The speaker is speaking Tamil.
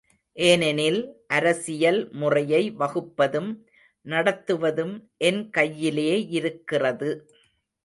ஏனெனில், அரசியல் முறையை வகுப்பதும் நடத்துவதும் என் கையிலேயிருக்கிறது.